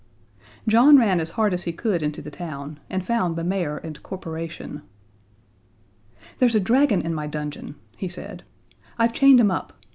John ran as hard as he could into the town, and found the mayor and corporation. "There's a dragon in my dungeon," he said; "I've chained him up.